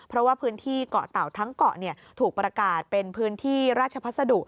เพราะว่าพื้นที่เกาะเต่าทั้งเกาะถูกประกาศเป็นพื้นที่ราชพัสดุ